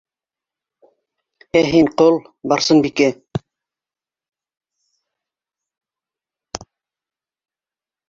Ә һин ҡол, Барсынбикә...